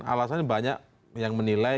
alasannya banyak yang menilai